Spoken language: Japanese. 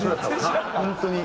本当に。